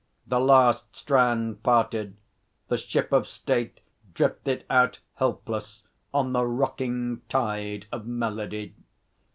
The last strand parted. The ship of state drifted out helpless on the rocking tide of melody.